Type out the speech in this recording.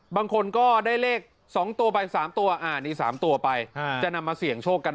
บางคนก็ได้เลข๒ตัวไป๓ตัวนี่๓ตัวไปจะนำมาเสี่ยงโชคกัน